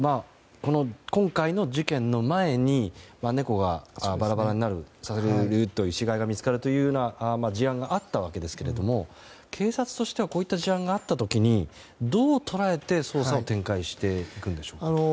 今回の事件の前に猫がバラバラになる死骸が見つかるという事案があったわけですけども警察としてはこういった事案があった時にどう捉えて、捜査を展開していくんでしょうか？